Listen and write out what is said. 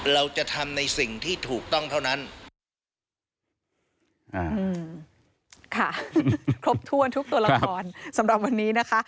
เราจะทำในสิ่งที่ถูกต้องเท่านั้น